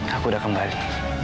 aku udah kembali